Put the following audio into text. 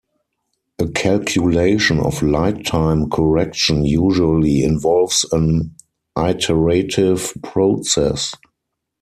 A calculation of light-time correction usually involves an iterative process.